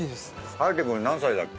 颯くん何歳だっけ？